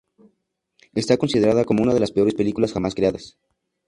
Está considerada como una de las peores películas jamás creadas.